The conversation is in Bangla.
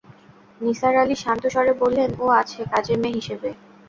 নিসার আলি শান্ত স্বরে বললেন, ও আছে কাজের মেয়ে হিসেবে।